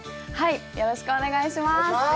よろしくお願いします。